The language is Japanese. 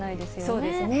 そうですね。